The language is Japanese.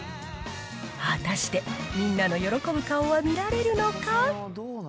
果たしてみんなの喜ぶ顔は見られるのか。